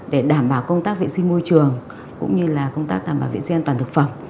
để đảm bảo công tác vệ sinh môi trường cũng như công tác đảm bảo vệ sinh an toàn thực phẩm